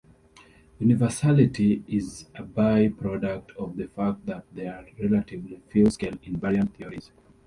Universality is a by-product of the fact that there are relatively few scale-invariant theories.